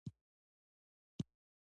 مېوې د افغانستان د اقتصاد برخه ده.